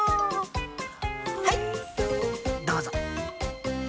はいどうぞ。